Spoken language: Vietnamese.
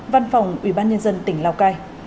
văn phòng ủy ban nhân dân tỉnh lào cai